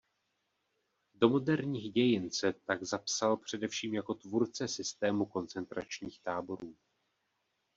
Do moderních dějin se tak zapsal především jako tvůrce systému koncentračních táborů.